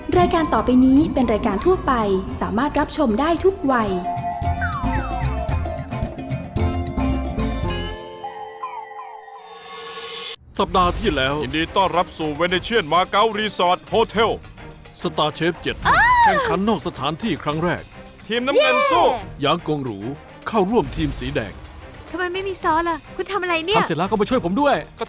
รายการต่อไปนี้เป็นรายการทั่วไปสามารถรับชมได้ทุกวัย